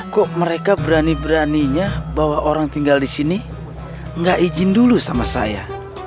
kok mereka berani beraninya bawa orang tinggal di sini nggak izin dulu sama saya